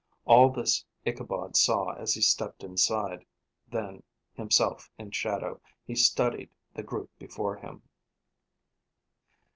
All this Ichabod saw as he stepped inside; then, himself in shadow, he studied the group before him.